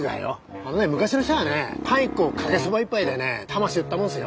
あのねえ昔の人はねえパン１個かけそば１杯でね魂売ったもんすよ。